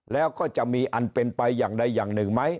แล้วก็จะมีอันเป็นไปอย่างใดอย่างหนึ่งไหม